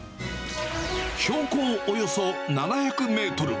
標高およそ７００メートル。